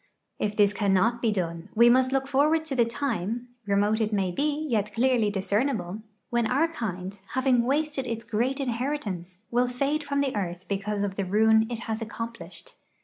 If this cannot he done, we must look forward to the time — re mote it may he, yet clearly discernible — when our kind, having wasted its great inheritance, will fade from the earth because of the ruin it has accomplished.